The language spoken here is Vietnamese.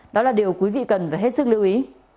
đó là điều quý vị cần phải hết sức lưu ý